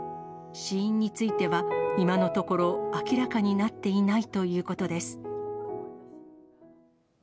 死因については今のところ明らかになっていないということです。